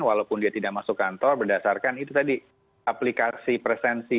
walaupun dia tidak masuk kantor berdasarkan itu tadi aplikasi presensi